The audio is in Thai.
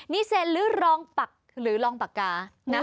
นี่เซ็นรึรองปากกา